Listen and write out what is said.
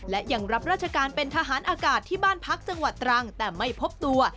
และยังรับราชการเป็นทหารอากาศที่บ้านพักจังหวัดตรังแต่ไม่พบตัว